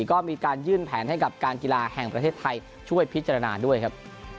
ก็มีการยื่นแผนให้กับการกีฬาแห่งประเทศไทยช่วยพิจารณาด้วยครับ